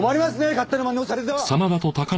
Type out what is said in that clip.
勝手なまねをされては！